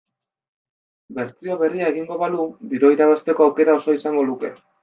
Bertsio berria egingo balu dirua irabazteko aukera osoa izango luke.